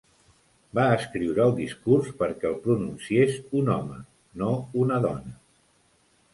Va escriure el discurs perquè el pronunciés un home, no una dona.